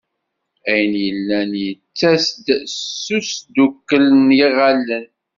Ayen yellan yettas-d s usdukel n yiɣallen.